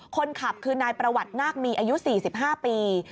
คนขับคือนายประวัตินาคมีอายุ๔๕ปี